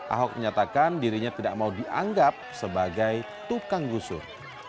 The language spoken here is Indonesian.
ahok menyatakan dirinya tidak mau dianggap sebagai tukang gusur